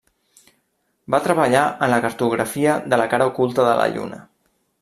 Va treballar en la cartografia de la cara oculta de la Lluna.